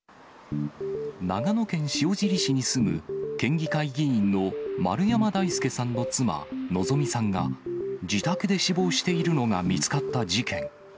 長野県塩尻市に住む県議会議員の丸山大輔さんの妻、希美さんが、自宅で死亡しているのが見つかった事件。